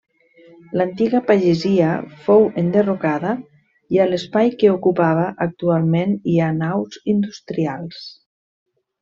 L'antiga pagesia fou enderrocada i a l'espai que ocupava, actualment hi ha naus industrials.